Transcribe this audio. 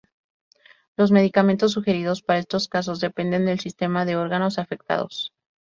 Los medicamentos sugeridos para estos casos dependen del sistema de órganos afectados.